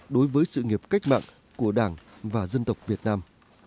đối với sự nghiệp cách mạng của đảng và dân tộc việt nam